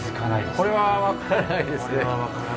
これは分からないですね。